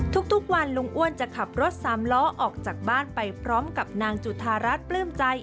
ทุกวันลุงอ้วนจะขับรถสามล้อออกจากบ้านไปพร้อมกับนางจุธารัฐปลื้มใจ